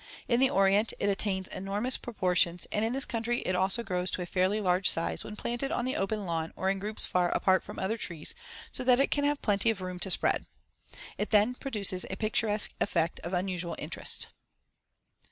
In the Orient it attains enormous proportions and in this country it also grows to a fairly large size when planted on the open lawn or in groups far apart from other trees so that it can have plenty of room to spread. It then produces a picturesque effect of unusual interest.